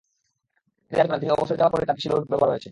তিনি দাবি করেন, তিনি অবসরে যাওয়ার পরই তারা বেশি লোড ব্যবহার করেছে।